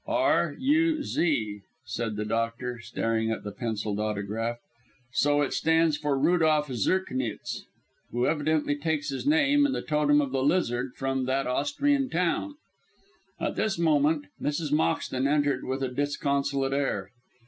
"R. U. Z.," said the doctor, staring at the pencilled autograph; "so it stands for Rudolph Zirknitz, who evidently takes his name and the totem of the lizard from that Austrian town." At this moment Mrs. Moxton entered with a disconsolate air.